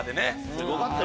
すごかったよね